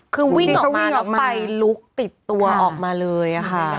คือวิ่งออกมาแล้วไฟลุกติดตัวออกมาเลยค่ะ